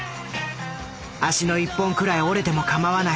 「足の一本くらい折れてもかまわない」。